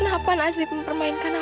kenapa nasib mempermainkan aku